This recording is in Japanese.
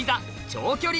長距離